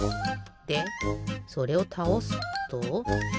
でそれをたおすと。